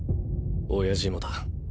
親父もだ。